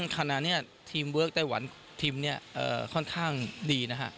ขณะนี้ทีมเวิร์คไต้หวันทีมนี้ค่อนข้างดีนะฮะ